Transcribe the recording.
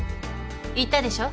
言ったでしょ。